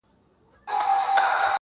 او نه به يې په پرونر پايه کشي ورته کول